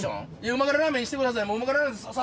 旨辛ラーメンにしてください。